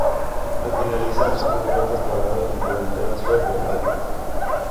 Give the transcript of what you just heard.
Al finalizar su primera temporada pidió el transfer a Duke.